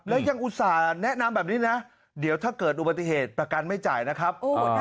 แล้วยังอุตส่าห์แนะนำแบบนี้นะเดี๋ยวถ้าเกิดอุบัติเหตุประกันไม่จ่ายนะครับ